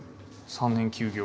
３年休業？